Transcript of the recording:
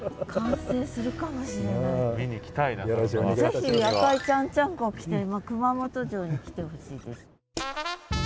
ぜひ赤いちゃんちゃんこ着て熊本城に来てほしいです。